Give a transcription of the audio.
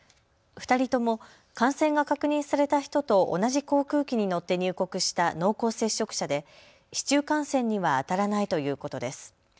２人とも感染が確認された人と同じ航空機に乗って入国した濃厚接触者で市中感染にはあたらないということです。